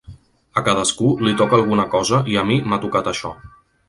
A cadascú li toca alguna cosa i a mi m’ha tocat això.